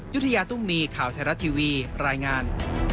ยุธยาตุ้มมีข่าวไทยรัฐทีวีรายงาน